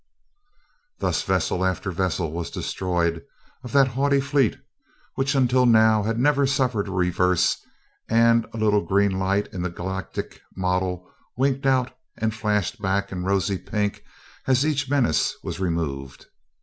Thus vessel after vessel was destroyed of that haughty fleet which until now had never suffered a reverse and a little green light in the galactic model winked out and flashed back in rosy pink as each menace was removed.